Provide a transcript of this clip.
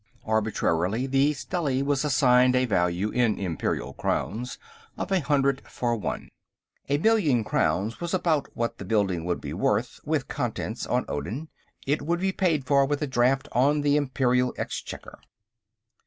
Arbitrarily, the stelly was assigned a value in Imperial crowns of a hundred for one. A million crowns was about what the building would be worth, with contents, on Odin. It would be paid for with a draft on the Imperial Exchequer.